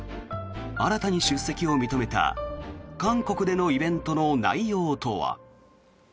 新たに出席を認めた韓国でのイベントの内容とは。